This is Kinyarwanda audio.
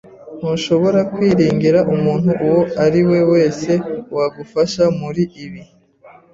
Ntushobora kwiringira umuntu uwo ari we wese wagufasha muri ibi.